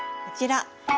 こちら。